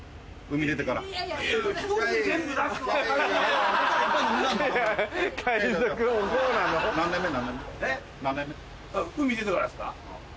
海に出てからですか？